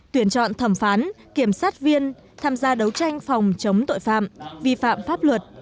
tuyển chọn thẩm phán kiểm sát viên tham gia đấu tranh phòng chống tội phạm vi phạm pháp luật